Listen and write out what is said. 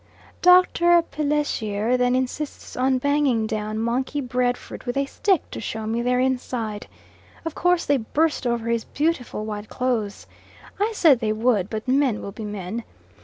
Dr. Pelessier then insists on banging down monkey bread fruit with a stick, to show me their inside. Of course they burst over his beautiful white clothes. I said they would, but men will be men.